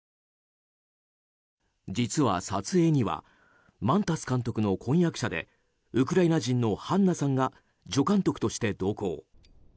実は、撮影にはマンタス監督の婚約者でウクライナ人のハンナさんが助監督として同行。